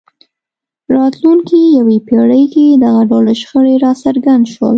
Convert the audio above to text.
راتلونکې یوې پېړۍ کې دغه ډول شخړې راڅرګند شول.